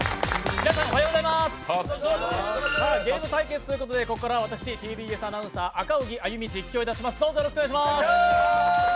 皆さん、おはようございますゲーム対決ということでここからは私ＴＢＳアナウンサー・赤荻歩が実況します。